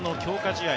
試合